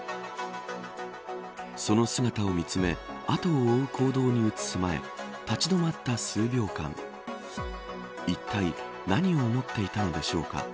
その姿を見つめあとを追う行動に移す前立ち止まった数秒間いったい何を思っていたのでしょうか。